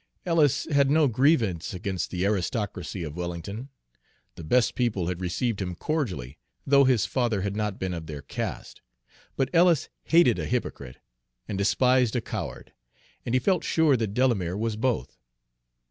Ellis had no grievance against the "aristocracy" of Wellington. The "best people" had received him cordially, though his father had not been of their caste; but Ellis hated a hypocrite, and despised a coward, and he felt sure that Delamere was both.